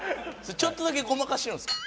ちょっとだけごまかしてるんですか？